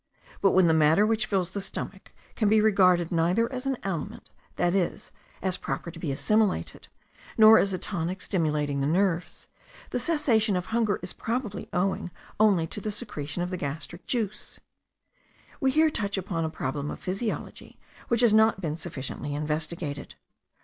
But when the matter which fills the stomach can be regarded neither as an aliment, that is, as proper to be assimilated, nor as a tonic stimulating the nerves, the cessation of hunger is probably owing only to the secretion of the gastric juice. We here touch upon a problem of physiology which has not been sufficiently investigated.